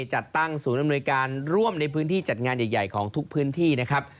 จัดตั้งศูนย์อำนวยการร่วมในพื้นที่จัดงานใหญ่ของทุกพื้นที่นะครับ